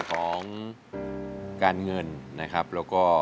ของการเงินแล้วก็